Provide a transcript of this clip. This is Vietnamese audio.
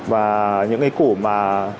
và những cái cụ mà